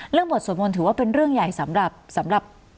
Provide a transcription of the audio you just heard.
บทสวดมนต์ถือว่าเป็นเรื่องใหญ่สำหรับสำหรับ